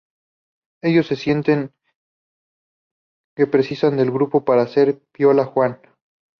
Ellos sienten que precisan del grupo para ser "piola juan".